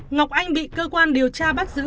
ngọc anh bị cơ quan điều tra bắt giữ